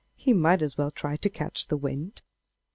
He might as well try to catch the wind.